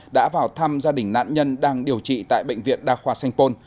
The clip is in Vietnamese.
đã vào thăm gia đình nạn nhân đang điều trị tại bệnh viện đa khoa sanh pôn